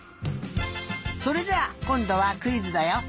それじゃあこんどはクイズだよ。